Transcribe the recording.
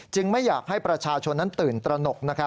ไม่อยากให้ประชาชนนั้นตื่นตระหนก